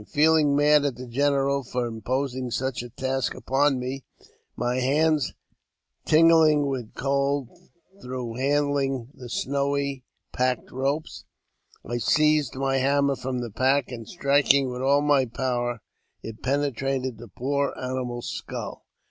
Feeling mad at the general for imposing such a task upon me, my hands tingling with cold through handling the snowy pack ropes, I seized my hammer from the pack, and, striking with all my power, it penetrated the poor animal's skull.